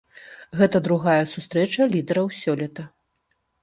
Гэта другая сустрэча лідэраў сёлета.